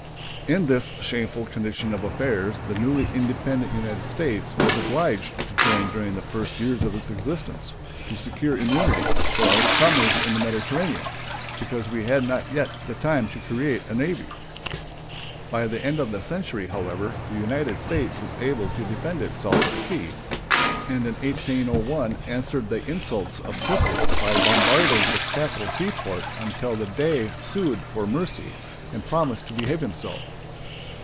In this shameful condition of affairs the newly independent United States was obliged to join during the first years of its existence, to secure immunity for our commerce in the Mediterranean, because we had not yet had time to create a navy. By the end of the century, however, the United States was able to defend itself at sea, and in 1801 answered the insults of Tripoli by bombarding its capital seaport until the dey sued for mercy and promised to behave himself.